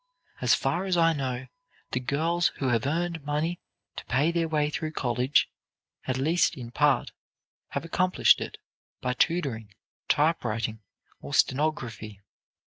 As far as I know, the girls who have earned money to pay their way through college, at least in part, have accomplished it by tutoring, typewriting or stenography.